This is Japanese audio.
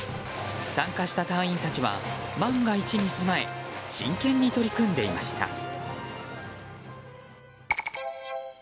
参加した隊員たちは万が一に備え真剣に取り組んでいました。